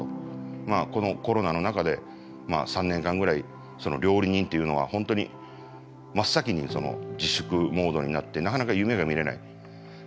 まあこのコロナの中で３年間ぐらい料理人っていうのは本当に真っ先に自粛モードになってなかなか夢が見れない。